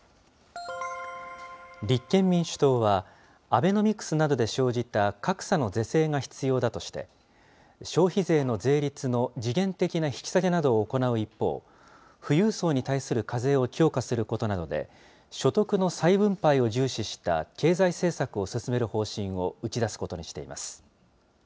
立憲民主党は、アベノミクスなどで生じた格差の是正が必要だとして、消費税の税率の時限的な引き下げなどを行う一方、富裕層に対する課税を強化することなどで、所得の再分配を重視した経済政策を進める方針を打ち出すことにしています。